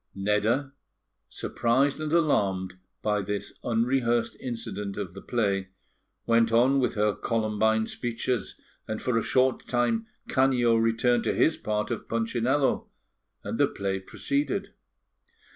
Nedda, surprised and alarmed by this unrehearsed incident of the play, went on with her Columbine speeches, and for a short time Canio returned to his part of Punchinello, and the play proceeded.